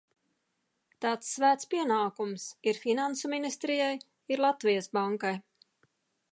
Tāds svēts pienākums ir Finansu ministrijai, ir Latvijas Bankai.